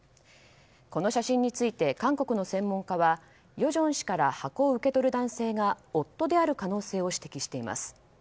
この写真について韓国の専門家は与正氏から箱を受け取る男性が夫である可能性を指摘しています。